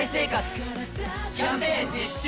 キャンペーン実施中！